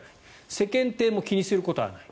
世間体も気にすることはない。